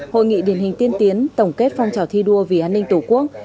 hội nghị điển hình tiên tiến tổng kết phong trào thi đua vì an ninh tổ quốc